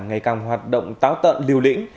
ngày càng hoạt động táo tận liều lĩnh